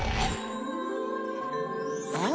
うん？